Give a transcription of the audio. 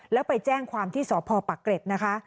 แล้วไปแจ้งความที่สพปักเกร็ดนะคะ